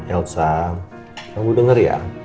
elsa kamu denger ya